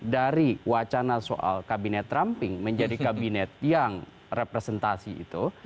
dari wacana soal kabinet ramping menjadi kabinet yang representasi itu